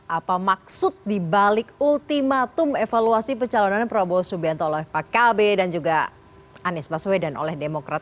apa maksud dibalik ultimatum evaluasi pencalonan prabowo subianto oleh pak kb dan juga anies baswedan oleh demokrat